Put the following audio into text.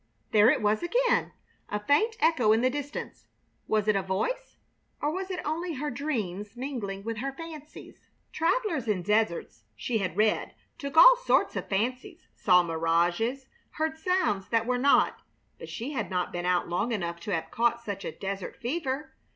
There it was again, a faint echo in the distance. Was it a voice, or was it only her dreams mingling with her fancies? Travelers in deserts, she had read, took all sorts of fancies, saw mirages, heard sounds that were not. But she had not been out long enough to have caught such a desert fever.